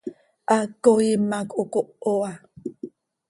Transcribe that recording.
Haaco hiima cöhocoho ha.